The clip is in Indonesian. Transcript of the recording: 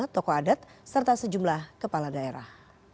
tokoh adat serta sejumlah kepala daerah